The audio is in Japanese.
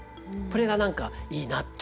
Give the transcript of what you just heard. これが何かいいなって。